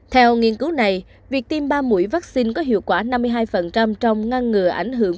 theo nghiên cứu này việc tiêm ba mũi vaccine có hiệu quả năm mươi hai trong ngăn ngừa ảnh hưởng